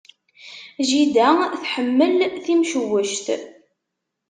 Jida tḥemmel timcewwect.